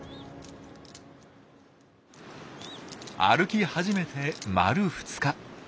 歩き始めて丸２日。